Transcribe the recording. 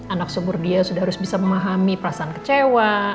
anak sumur dia sudah harus bisa memahami perasaan kecewa